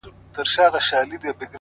وموږ تې سپكاوى كاوه زموږ عزت يې اخيست،